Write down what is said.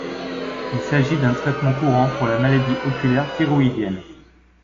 Il s'agit d'un traitement courant pour la maladie oculaire thyroïdienne.